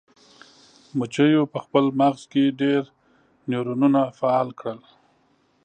مچیو په خپل مغز کې ډیر نیورونونه فعال کړل.